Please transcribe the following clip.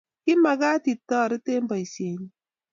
kimagaat itoret eng boisienyi